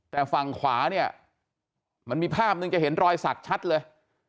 แต่ฝั่งขวาเนี่ยมันมีภาพหนึ่งจะเห็นรอยสักชัดเลย